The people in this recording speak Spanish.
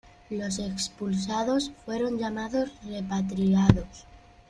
Los expulsados fueron llamados "repatriados".